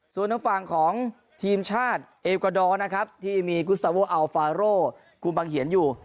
ส่วนทางฝั่งของทีมชาติเอกวาดอร์นะครับที่มีกุสตาโวอัลฟาโรกุมบังเหียนอยู่